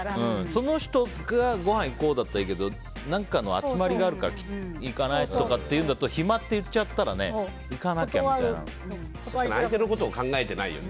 その人がごはん行こうだったらいいけど何かの集まりがあるから行かない？とかだと暇だと行っちゃったら相手のことを考えてないよね。